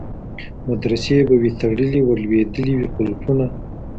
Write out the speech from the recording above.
مدرسې به وي تړلي ورلوېدلي وي قلفونه